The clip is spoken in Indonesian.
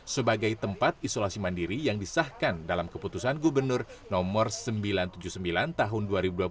sebagai tempat isolasi mandiri yang disahkan dalam keputusan gubernur nomor sembilan ratus tujuh puluh sembilan tahun dua ribu dua puluh